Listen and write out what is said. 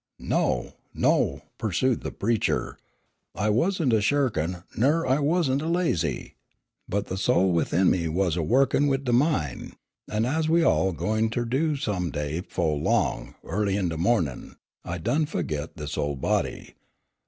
"No, no," pursued the preacher, "I wasn't a shirkin' ner I wasn't a lazy, but the soul within me was a wo'kin' wid the min', an' as we all gwine ter do some day befo' long, early in de mornin', I done fu'git this ol' body.